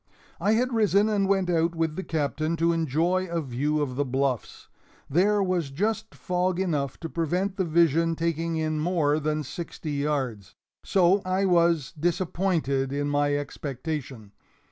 I had risen and went out with the Captain, to enjoy a view of the bluffs. There was just fog enough to prevent the vision taking in more than sixty yards so I was disappointed in my expectation.